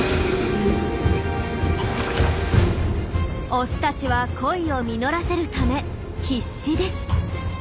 オスたちは恋を実らせるため必死です。